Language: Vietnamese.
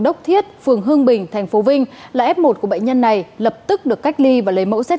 đốc thiết phường hương bình tp vinh là f một của bệnh nhân này lập tức được cách ly và lấy mẫu xét